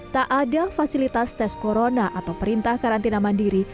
tak ada fasilitas tes corona atau perintah karantina mandiri